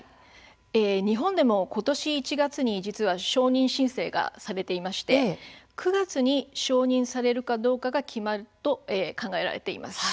日本でも今年１月に承認申請がされていまして９月に承認されるかどうかが決まると考えられています。